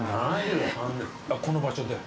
この場所で？